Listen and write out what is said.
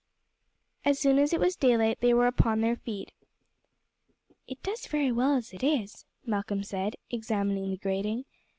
As soon as it was daylight they were upon their feet. "It does very well as it is," Malcolm said, examining the grating.